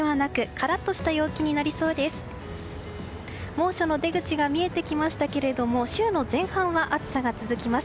猛暑の出口が見えてきましたけれども週の前半は暑さが続きます。